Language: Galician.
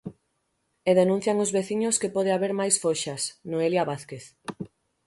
E denuncian os veciños que pode haber máis foxas, Noelia Vázquez.